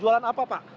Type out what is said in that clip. jualan apa pak